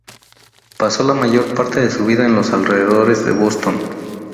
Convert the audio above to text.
Pasó la mayor parte de su vida en los alrededores de Boston.